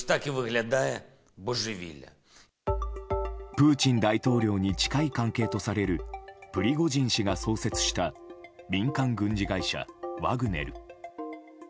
プーチン大統領に近い関係とされるプリゴジン氏が創設した民間軍事会社ワグネル。